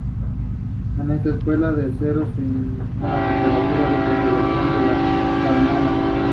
Ayuntamiento: Lado oeste de la plaza.